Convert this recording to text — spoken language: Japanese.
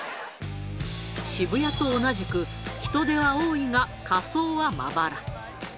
渋谷と同じく、人出は多いが、仮装はまばら。